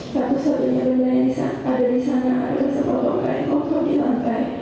satu satunya benda yang ada di sana adalah sepotong kain kotor di lantai